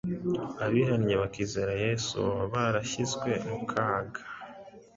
abihanye bakizera Yesu baba barashyizwe mu kaga.